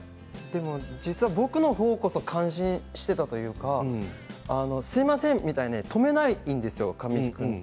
実は僕の方こそ感心していたというかすみませんみたいな止めないんですよ、神木君。